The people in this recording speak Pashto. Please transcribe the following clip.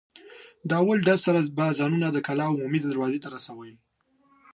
له اول ډز سره به ځانونه د کلا عمومي دروازې ته را رسوئ.